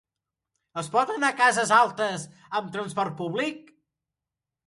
Es pot anar a Cases Altes amb transport públic?